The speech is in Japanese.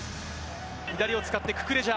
左を使ってククレジャ。